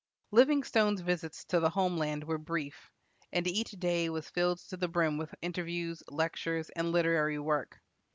Livingstone's visits to the home land were brief, and each day was filled to the brim with interviews, lectures, and literary work.